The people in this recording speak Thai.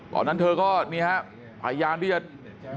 ตอนนั้นเธอก็นี่ฮะพยายามที่จะ